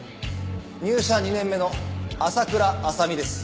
入社２年目の朝倉亜沙美です。